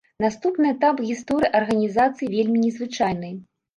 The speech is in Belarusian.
Наступны этап гісторыі арганізацыі вельмі не звычайны.